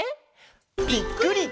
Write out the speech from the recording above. ぴっくり！